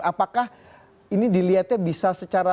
apakah ini dilihatnya bisa secara